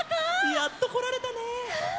やっとこられたね！